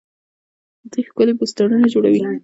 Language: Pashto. دوی ښکلي پوسټرونه جوړوي.